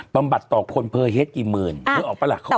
บำบัดต่อคนเพื่อเทศกี่หมื่นเข้าออกปะล่ะเขาก็ออกไปเลย